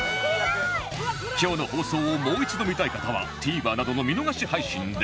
今日の放送をもう一度見たい方は ＴＶｅｒ などの見逃し配信で